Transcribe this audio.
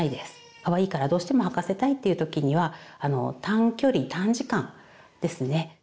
かわいいからどうしても履かせたいという時には短距離短時間ですね。